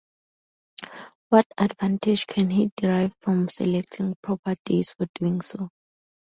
What advantage can he derive from selecting proper days for doing so?